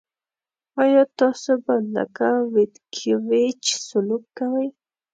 آیا تاسو به لکه ویتکیویچ سلوک کوئ.